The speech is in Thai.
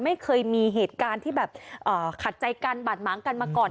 ไม่เคยมีเหตุการณ์ที่แบบขัดใจกันบาดหมางกันมาก่อน